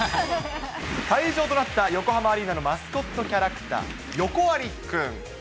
会場となった横浜アリーナのマスコットキャラクター、ヨコアリくん。